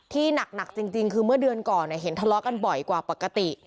หนักจริงคือเมื่อเดือนก่อนเห็นทะเลาะกันบ่อยกว่าปกติ